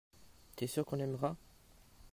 tu es sûr qu'on aimera.